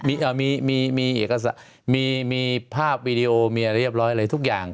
มีมีเอกสารมีภาพวีดีโอมีอะไรเรียบร้อยอะไรทุกอย่าง